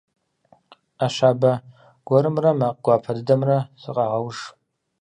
Ӏэ щабэ гуэрымрэ макъ гуапэ дыдэмрэ сыкъагъэуш.